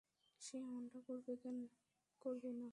সে এমনটা করবে না।